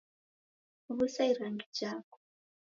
Wusa irangi jako